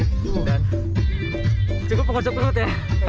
dan cukup mengocok perut ya